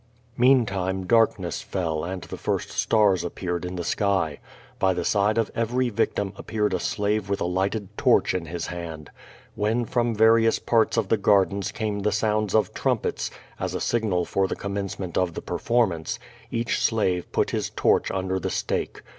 ileantime darkness fell and the first stars appeared in the sky. By the side of every victim appeared a slave with a lighted torch in his hand. AVlien from various parts of the gardens came the sounds of trumpets, as a signal for the com mencement of the performance, each slave put his torch under the stake.